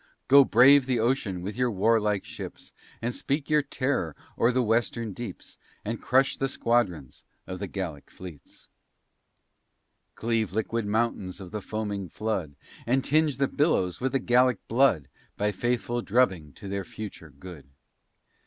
Go brave the ocean with your war like ships, And speak your terror o'er the western deeps, And crush the squadrons of the Gallic fleets. Cleave liquid mountains of the foaming flood, And tinge the billows with the Gallic blood, A faithful drubbing to their future good.